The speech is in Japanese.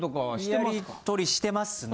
やり取りしてますね